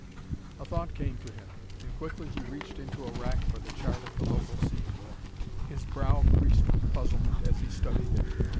A thought came to him, and quickly he reached into a rack for the chart of the local sea floor. His brow creased with puzzlement as he studied it.